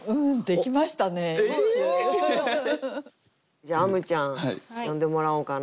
じゃああむちゃん詠んでもらおうかな。